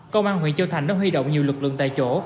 công an huyện châu thành đã huy động nhiều lực lượng tại chỗ